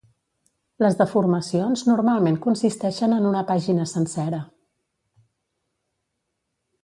Les deformacions normalment consisteixen en una pàgina sencera.